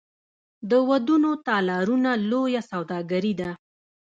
د ودونو تالارونه لویه سوداګري ده